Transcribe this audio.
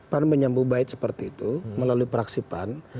pan menyambung baik seperti itu melalui praksi pan